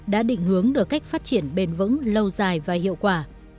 đã định hướng được cách phát triển bền vững lâu dài và hiệu quả